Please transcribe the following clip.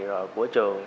và của trường